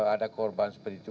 ada korban seperti itu